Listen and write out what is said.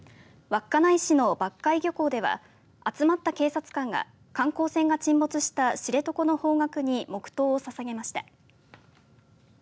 稚内市の抜海漁港では集まった警察官が観光船が沈没した知床の方角に黙とうをささげました。